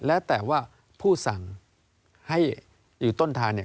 แล้วแต่ว่าผู้สั่งให้อยู่ต้นทางเนี่ย